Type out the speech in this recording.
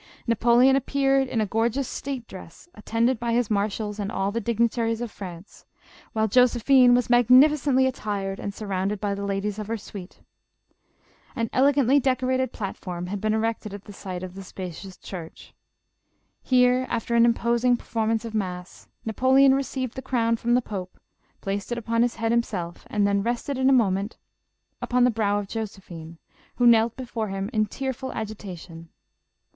Napoleon appear ed in a gorgeous state dress, attended by his marshals and all the dignitaries of France, while Josephine was magnificently attired and surrounded by the ladies of her suite. An elegantly decorated platform had been erected at the end of the spacious church. Here, after an imposing performance of mass, Napoleon received the crown from the Pope, placed it upon his head him self, then rested it a moment upon the brow of Jose phine, who knelt before him in tearful agitation.